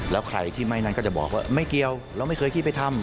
แล้วใครที่ไม่นั้นก็จะบอกว่าไม่เกี่ยวเราไม่เคยคิดไปทำ